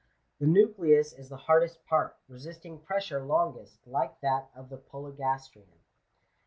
The nucleus is the hardest part, resisting pressure longest, like that of the Polygastrian.